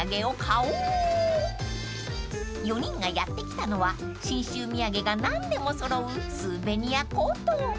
［４人がやって来たのは信州土産が何でも揃うスーベニアコート］